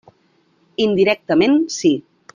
Indirectament sí.